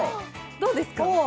どうですか？